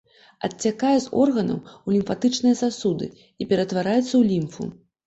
Адцякае з органаў у лімфатычныя сасуды і ператвараецца ў лімфу.